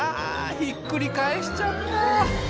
ひっくり返しちゃった。